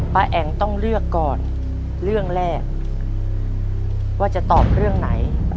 แอ๋งต้องเลือกก่อนเรื่องแรกว่าจะตอบเรื่องไหน